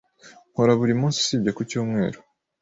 Nkora buri munsi usibye ku cyumweru.